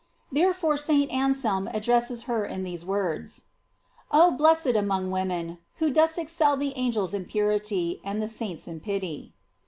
* Therefore St. Anselm addresses her in these words: Oh, blessed among women, who dost excel the angels in purity, and the saints in pity!